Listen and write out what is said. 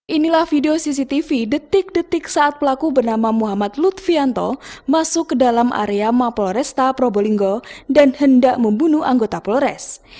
inilah video cctv detik detik saat pelaku bernama muhammad lutfianto masuk ke dalam area mapoloresta probolinggo dan hendak membunuh anggota polres